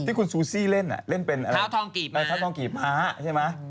ที่คุณซูซี่เล่นอ่ะเล่นเป็นท้าทองกีบพาใช่มั้ย